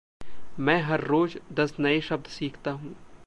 मैं हर रोज़ दस नये शब्द सीखता हूँ।